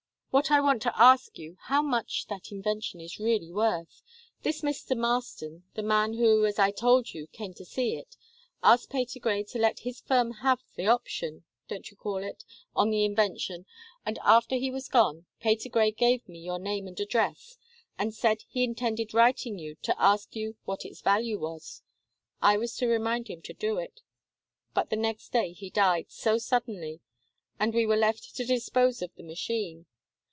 What I want is to ask you how much that invention is really worth? This Mr. Marston, the man who, as I told you, came to see it, asked Patergrey to let his firm have the option don't you call it? on the invention, and after he was gone Patergrey gave me your name and address, and said he intended writing you to ask you what its value was I was to remind him to do it. But the next day he died, so suddenly, and we were left to dispose of the machine.